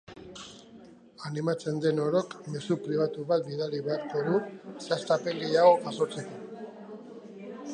Animatzen den orok mezu pribatu bat bidali beharko du zehaztapen gehiago jasotzeko.